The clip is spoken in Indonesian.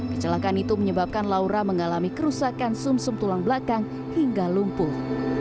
kecelakaan itu menyebabkan laura mengalami kerusakan sum sum tulang belakang hingga lumpuh